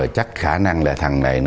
chắc khả năng là thằng này